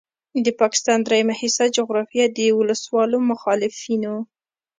د پاکستان دریمه حصه جغرافیه د وسلوالو مخالفینو